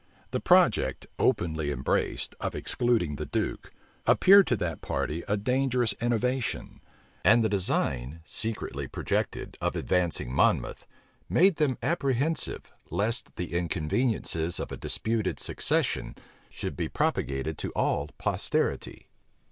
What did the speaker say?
The project, openly embraced, of excluding the duke, appeared to that party a dangerous innovation: and the design, secretly projected, of advancing Monmouth, made them apprehensive, lest the inconveniencies of a disputed succession should be propagated to all posterity.